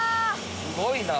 すごいな。